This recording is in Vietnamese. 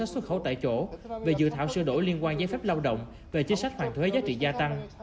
xuất khẩu tại chỗ về dự thảo sửa đổi liên quan giấy phép lao động về chính sách hoàn thuế giá trị gia tăng